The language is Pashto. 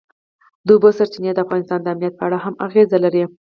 د اوبو سرچینې د افغانستان د امنیت په اړه هم اغېز لري.